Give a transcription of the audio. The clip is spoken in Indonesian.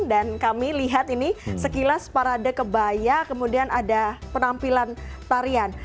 dan kami lihat ini sekilas parade kebaya kemudian ada penampilan tarian